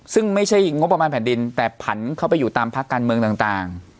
ซึ่งไม่ใช่งบประมาณแผ่นดินแต่ผันเข้าไปอยู่ตามพักการเมืองต่าง